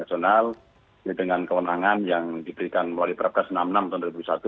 pernah pangan nasional dengan kewenangan yang diberikan oleh prakas enam puluh enam tahun dua ribu satu